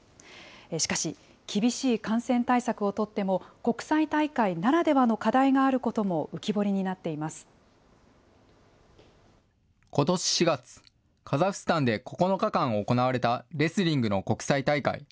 しかし、厳しい感染対策を取っても、国際大会ならではの課題があることもことし４月、カザフスタンで９日間行われたレスリングの国際大会。